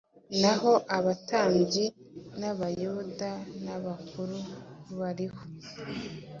naho abatambyi b’Abayuda n’abakuru bariho